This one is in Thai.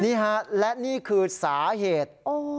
นี่ฮะและนี่คือสาเหตุ